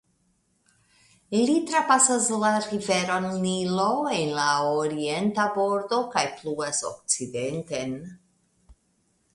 Ili trapasas la riveron Nilo el la orienta bordo kaj pluas okcidenten.